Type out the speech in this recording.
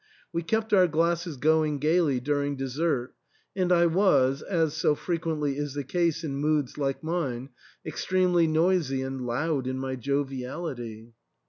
We kept our glasses going gaily during dessert, and I was, as so frequently is the case in moods like mine, extremely noisy and loud in my joviality.